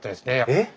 えっ？